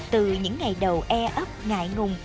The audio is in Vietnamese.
từ những ngày đầu e ấp ngại ngùng